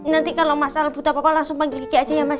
nanti kalau masalah buta papa langsung panggil kiki aja ya mas ya